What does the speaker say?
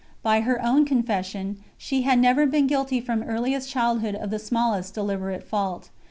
By her own confession, she had never been guilty from earliest childhood of the smallest deliberate fault.